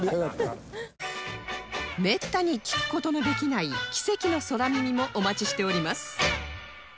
めったに聴く事のできない奇跡の空耳もお待ちしております